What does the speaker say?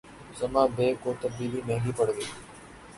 ئمہ بیگ کو تبدیلی مہنگی پڑ گئی